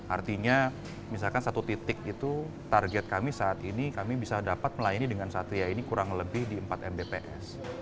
artinya misalkan satu titik itu target kami saat ini kami bisa dapat melayani dengan satria ini kurang lebih di empat mbps